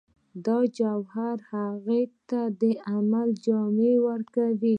دا جوهر هغه ته د عمل جامه ورکوي